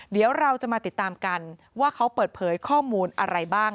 เดี๋ยวเราจะมาติดตามกันว่าเขาเปิดเผยข้อมูลอะไรบ้าง